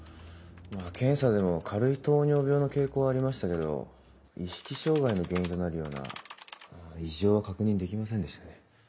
まぁ検査でも軽い糖尿病の傾向はありましたけど意識障害の原因となるような異常は確認できませんでしたね。